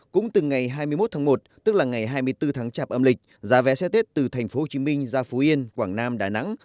cũng từ ngày hai mươi một tháng một tức là ngày hai mươi bốn tháng chạp âm lịch giá vé xe tết từ tp hcm ra phú yên quảng nam đà nẵng